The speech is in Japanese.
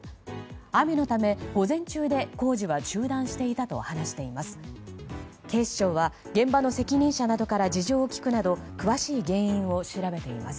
雨のため午前中で工事は中断していたと話しています。